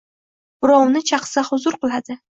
Birovni chaqsa, huzur qiladi.